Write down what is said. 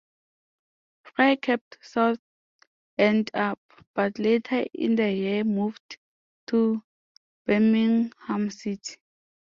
Fry kept Southend up, but later in the year moved to Birmingham City.